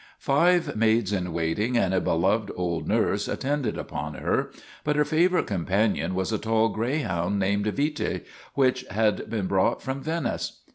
Five maids in waiting and a beloved old nurse at tended upon her, but her favorite companion was a tall greyhound named Vite which had been brought from Venice.